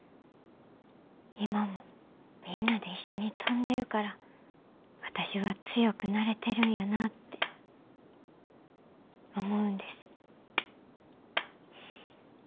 今もみんなで一緒に飛んでるから私は強くなれてるんやなって思うんです。